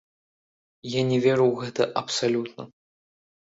Я не веру ў гэта абсалютна.